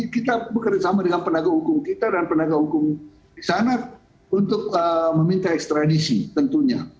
kita bekerjasama dengan penegak hukum kita dan penegak hukum di sana untuk meminta ekstradisi tentunya